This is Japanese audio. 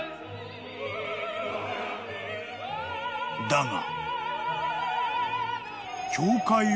［だが］